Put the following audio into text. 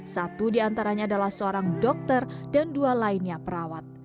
satu diantaranya adalah seorang dokter dan dua lainnya perawat